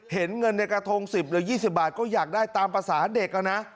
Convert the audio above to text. เห็นเงินในกระทง๑๐หรือ๒๐บาทก็อยากได้ตามภาษาเด็กนะ